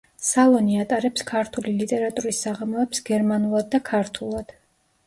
სალონი ატარებს ქართული ლიტერატურის საღამოებს გერმანულად და ქართულად.